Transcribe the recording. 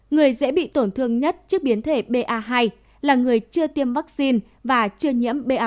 người dễ bị tổn thương nhất trước biến thể ba là người chưa tiêm vaccine và chưa nhiễm ba